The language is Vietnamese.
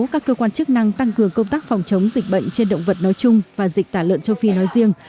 các cơ quan chức năng tăng cường công tác phòng chống dịch bệnh trên động vật nói chung và dịch tả lợn châu phi nói riêng